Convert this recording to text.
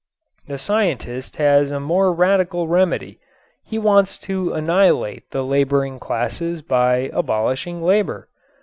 The scientist has a more radical remedy; he wants to annihilate the laboring classes by abolishing labor.